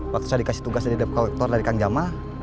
waktu saya dikasih tugas dari depok elektor dari kang jamal